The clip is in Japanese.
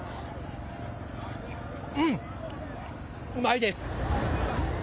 うん、うまいです！